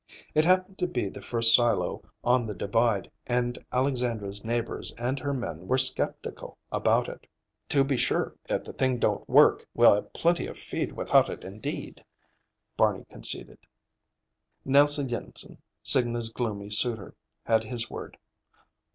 It happened to be the first silo on the Divide, and Alexandra's neighbors and her men were skeptical about it. "To be sure, if the thing don't work, we'll have plenty of feed without it, indeed," Barney conceded. Nelse Jensen, Signa's gloomy suitor, had his word.